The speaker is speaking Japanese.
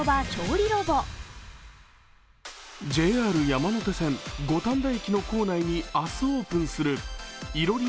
ＪＲ山手線・五反田駅の構内に明日オープンするいろり